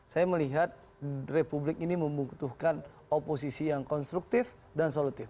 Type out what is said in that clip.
saya melihat republik ini membutuhkan oposisi yang konstruktif dan solutif